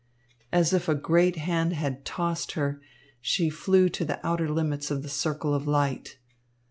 As if a great hand had tossed her, she flew to the outer limits of the circle of light.